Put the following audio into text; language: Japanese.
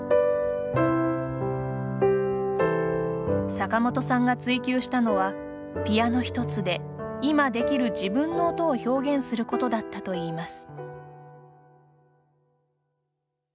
坂本さんが追求したのはピアノ１つで今できる自分の音を表現することだったといいます。